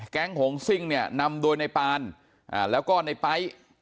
หงซิ่งเนี่ยนำโดยในปานแล้วก็ในไป๊